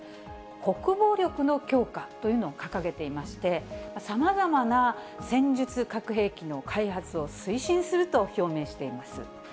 国防力の強化というのを掲げていまして、さまざまな戦術核兵器の開発を推進すると表明しています。